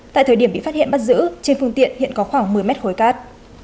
tại thời điểm bị phát hiện bắt giữ trên phương tiện hiện có khoảng một mươi mét khối cát